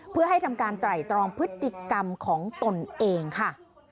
เพื่อให้ทำการไตรตรองพฤติกรรมของตนเองค่ะ